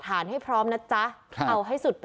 ก็กลายเป็นว่าติดต่อพี่น้องคู่นี้ไม่ได้เลยค่ะ